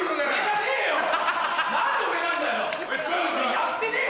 やってねえ！